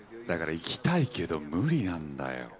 だから行きたいけど無理なんだよ。